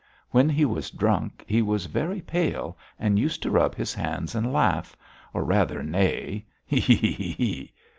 When he was drunk, he was very pale and used to rub his hands and laugh, or rather neigh, He he he!